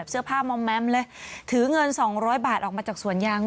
เสื้อผ้ามอมแมมเลยถือเงินสองร้อยบาทออกมาจากสวนยาง